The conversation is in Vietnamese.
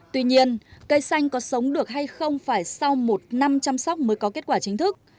tuy nhiên cây xanh có sống được hay không phải sau một năm chăm sóc mới có kết quả chính thức